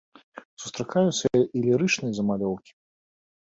Сустракаюцца і лірычныя замалёўкі.